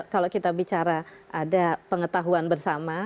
kalau kita bicara ada pengetahuan bersama